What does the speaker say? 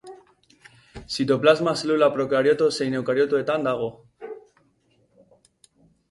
Zitoplasma zelula prokarioto zein eukariotoetan dago.